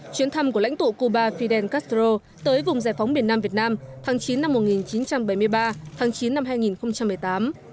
chuyến thăm của lãnh tụ cuba fidel castro tới vùng giải phóng miền nam việt nam tháng chín năm một nghìn chín trăm bảy mươi ba tháng chín năm hai nghìn một mươi tám